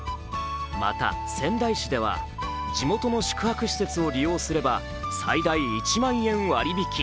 また、仙台市では地元の宿泊施設を利用すれば最大１万円割り引き。